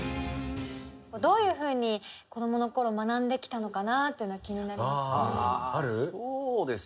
どういうふうに子どもの頃学んできたのかなっていうのは気になりますね。